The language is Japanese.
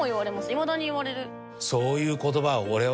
いまだに言われる。